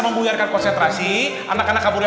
membuyarkan konsentrasi anak anak kaburnya